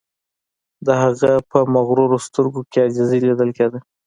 د هغه په مغرورو سترګو کې عاجزی لیدل کیده